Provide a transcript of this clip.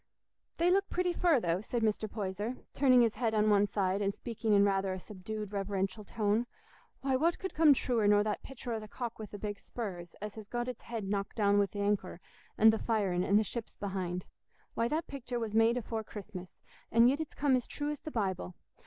"They look pretty fur, though," said Mr. Poyser, turning his head on one side and speaking in rather a subdued reverential tone. "Why, what could come truer nor that pictur o' the cock wi' the big spurs, as has got its head knocked down wi' th' anchor, an' th' firin', an' the ships behind? Why, that pictur was made afore Christmas, and yit it's come as true as th' Bible.